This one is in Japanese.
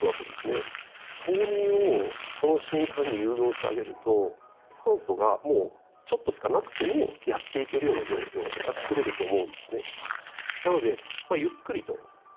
冬眠をその瞬間に誘導してあげると酸素がもうちょっとしかなくてもやっていけるような状況がつくれると思うんですね。